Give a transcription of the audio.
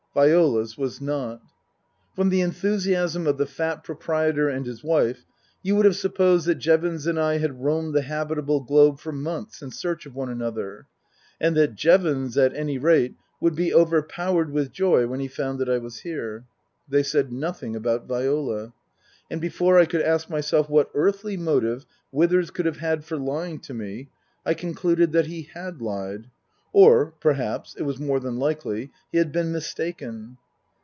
Viola's was not. From the enthusiasm of the fat proprietor and his wife you would have supposed that Jevons and I had roamed the habitable globe for months in search of one another ; and that Jevons, at any rate, would be overpowered with joy when he found that I was here. They said nothing about Viola. And before I could ask myself what earthly motive Withers could have had for lying to me, I concluded that he had lied. Or perhaps it was more than likely he had been mistaken.